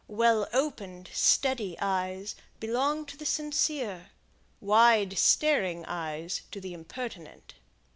Well opened steady eyes belong to the sincere; wide staring eyes to the impertinent.